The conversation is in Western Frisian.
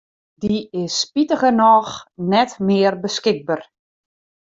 Dy is spitigernôch net mear beskikber.